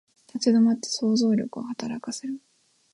立ち止まって想像力を働かせる